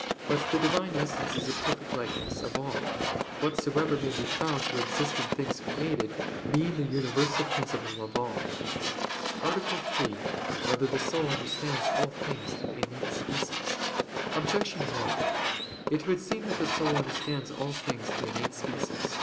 But the Divine Essence is a perfect likeness of all, whatsoever may be found to exist in things created, being the universal principle of all. _______________________ THIRD ARTICLE [I, Q. 84, Art. 3] Whether the Soul Understands All Things Through Innate Species? Objection 1: It would seem that the soul understands all things through innate species.